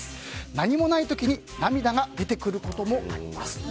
何もない時に涙が出てくることもあります。